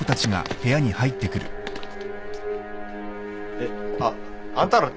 えっあっあんたら誰。